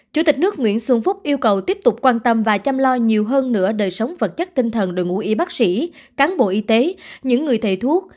chủ tịch nước nguyễn xuân phúc yêu cầu tiếp tục quan tâm và chăm lo nhiều hơn nữa đời sống vật chất tinh thần đội ngũ y bác sĩ cán bộ y tế những người thầy thuốc